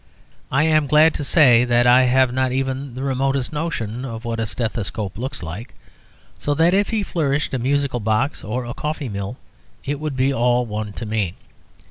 I am glad to say that I have not even the remotest notion of what a stethoscope looks like; so that if he flourished a musical box or a coffee mill it would be all one to me.